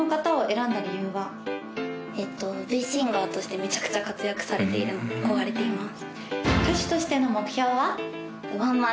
Ｖシンガーとしてめちゃくちゃ活躍されているので憧れています